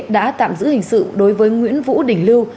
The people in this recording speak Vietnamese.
đã tạm giữ hình sự đối với nguyễn vũ đỉnh lưu